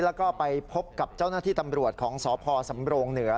แล้วก็ไปพบกับเจ้าหน้าที่ตำรวจของสพสำโรงเหนือ